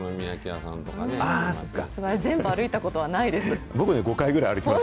さすがに全部歩いたことはないです。